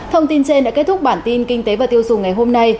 thông tin trên đã kết thúc bản tin kinh tế và tiêu dùng ngày hôm nay